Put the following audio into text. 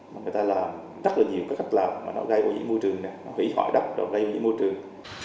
người ta làm rất là nhiều cách làm mà nó gây ổ dĩ môi trường